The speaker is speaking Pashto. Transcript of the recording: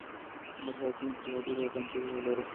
موږ به په راتلونکي کې لا ډېرې اسانتیاوې ولرو.